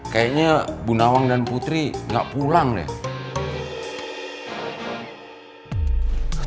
kayaknya bu nawang dan putri gak pulang deh